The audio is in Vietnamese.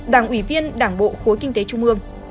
đảng ủy viên đảng bộ khối kinh tế trung ương